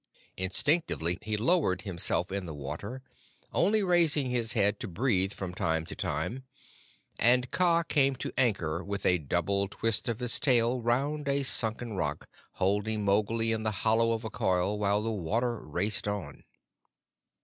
Instinctively he lowered himself in the water, only raising his head to breathe from time to time, and Kaa came to anchor with a double twist of his tail round a sunken rock, holding Mowgli in the hollow of a coil, while the water raced on.